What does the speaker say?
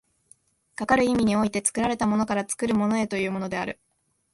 かかる意味において、作られたものから作るものへというのである。